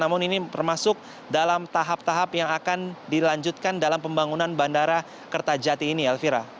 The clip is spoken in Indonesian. namun ini termasuk dalam tahap tahap yang akan dilanjutkan dalam pembangunan bandara kertajati ini elvira